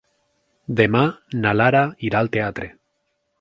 Demà na Lara irà al teatre.